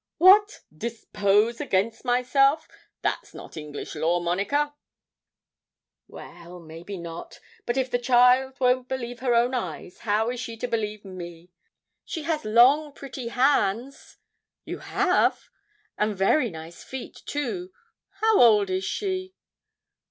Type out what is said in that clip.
'What! depose against myself! That's not English law, Monica.' 'Well, maybe not; but if the child won't believe her own eyes, how is she to believe me? She has long, pretty hands you have and very nice feet too. How old is she?'